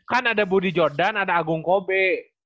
kan ada budi jordan ada agung kobe